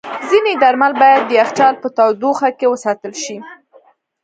ځینې درمل باید د یخچال په تودوخه کې وساتل شي.